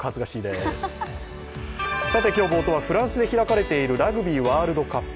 今日、冒頭はフランスで開かれているラグビーワールドカップ。